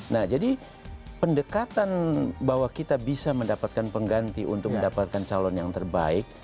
nah jadi pendekatan bahwa kita bisa mendapatkan pengganti untuk mendapatkan calon yang terbaik